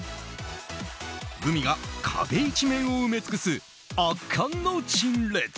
グミが壁一面を埋め尽くす圧巻の陳列。